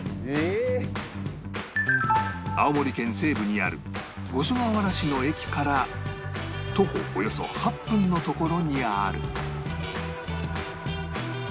青森県西部にある五所川原市の駅から徒歩およそ８分の所にある